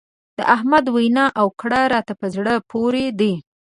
د احمد وينا او کړه راته په زړه پورې دي.